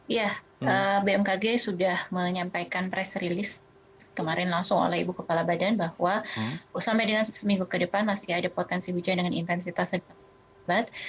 ya bmkg sudah menyampaikan press release kemarin langsung oleh ibu kepala badan bahwa sampai dengan seminggu ke depan masih ada potensi hujan dengan intensitas yang sangat